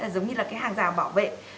giống như là cái hàng rào bảo vệ